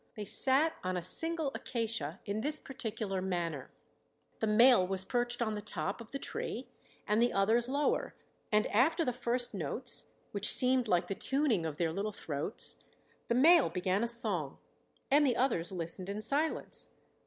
They sat on a single acacia in this particular manner: the male was perched on the top of the tree and the others lower, and after the first notes, which seemed like the tuning of their little throats, the male began a song and the others listened in silence.